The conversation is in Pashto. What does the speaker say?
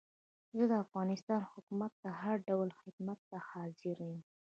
زه د افغانستان حکومت ته هر ډول خدمت ته حاضر یم.